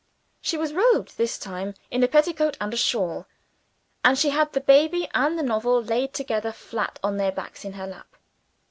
She was robed this time in a petticoat and a shawl; and she had the baby and the novel laid together flat on their backs in her lap.